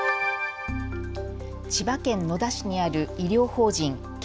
千葉県野田市にある医療法人圭